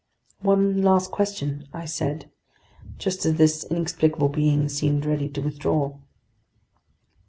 "One last question," I said, just as this inexplicable being seemed ready to withdraw.